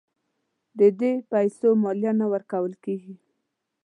د دې پیسو مالیه نه ورکول کیږي.